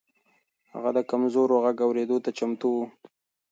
هغه د کمزورو غږ اورېدو ته چمتو و.